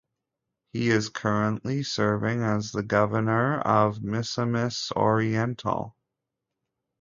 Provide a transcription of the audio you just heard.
He is currently serving as the Governor of Misamis Oriental.